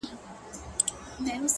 o خو هغې دغه ډالۍ،